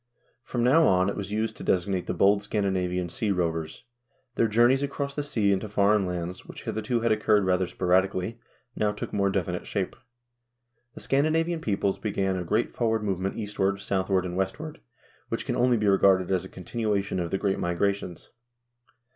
From now on it was used to designate the bold Scandinavian sea rovers. Their journeys across the sea into foreign lands, which hitherto had occurred rather sporadically, now took more definite shape. The Scandinavian peoples began a great forward movement eastward, southward, and westward, which can only be regarded as a continuation of the great Migrations.